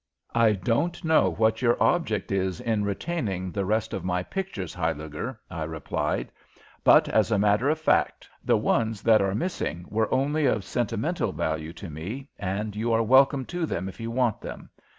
"I don't know what your object is in retaining the rest of my pictures, Huyliger," I replied, "but, as a matter of fact, the ones that are missing were only of sentimental value to me, and you are welcome to them if you want them.